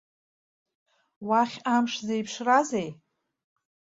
Уахь амш зеиԥшразеи?